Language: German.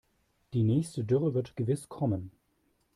Die nächste Dürre wird gewiss kommen.